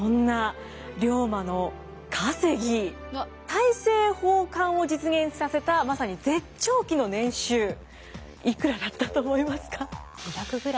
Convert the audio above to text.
大政奉還を実現させたまさに絶頂期の年収いくらだったと思いますか？